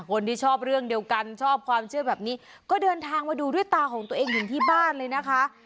คนที่ชอบเรื่องเดียวกันชอบความเชื่อแบบนี้ก็เดินทางมาดูด้วยตาของตัวเองถึงที่บ้านเลยนะคะ